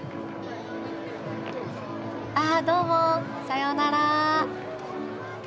あっどうもさようなら。